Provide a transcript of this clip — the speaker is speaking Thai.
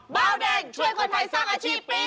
เบาแดงช่วยคนไทยสร้างอาชีพปี๒